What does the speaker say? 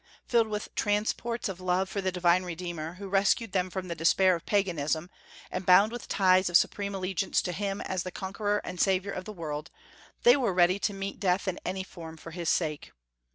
Filled with transports of love for the divine Redeemer, who rescued them from the despair of Paganism, and bound with ties of supreme allegiance to Him as the Conqueror and Saviour of the world, they were ready to meet death in any form for his sake.